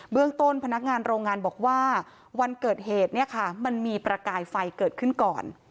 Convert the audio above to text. เรื่องต้นพนักงานโรงงานบอกว่าวันเกิดเหตุเนี่ยค่ะมันมีประกายไฟเกิดขึ้นก่อน